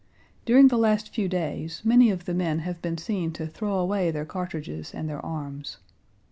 During the last few days many of the men have been seen to throw away their cartridges and their arms.